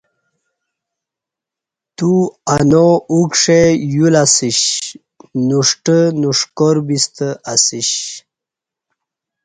تو انواُکݜے یولہ اسیش نوݜٹہ نݜٹکار بیستہ اسیش